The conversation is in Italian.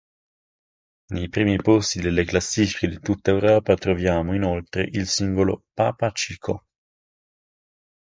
Nei primi posti delle classifiche di tutta Europa troviamo, inoltre il singolo "Papa Chico".